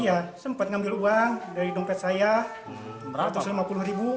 iya sempat ngambil uang dari dompet saya rp satu ratus lima puluh